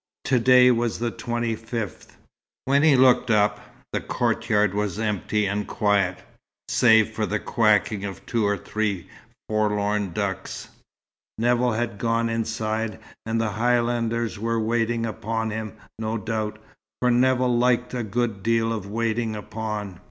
To day was the 25th. When he looked up, the courtyard was empty, and quiet, save for the quacking of two or three forlorn ducks. Nevill had gone inside, and the Highlanders were waiting upon him, no doubt for Nevill liked a good deal of waiting upon.